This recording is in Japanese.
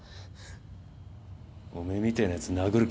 おめえみてえなやつ殴る